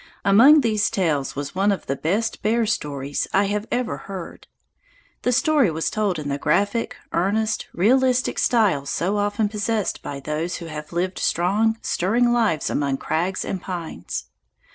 Among these tales was one of the best bear stories I have ever heard. The story was told in the graphic, earnest, realistic style so often possessed by those who have lived strong, stirring lives among crags and pines.